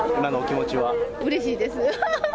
うれしいです。